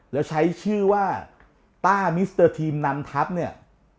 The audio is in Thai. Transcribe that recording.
แล้วใช้ชื่อว่าต้ามิสเตอร์ทีมนำทัพเนี่ย